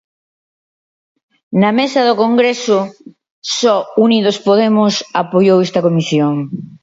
Na mesa do Congreso só Unidos Podemos apoiou esta comisión.